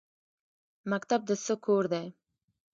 مکتب د څه کور دی؟